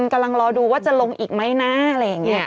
กำลังรอดูว่าจะลงอีกไหมนะอะไรอย่างนี้